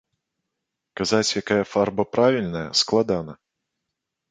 Казаць, якая фарба правільная, складана.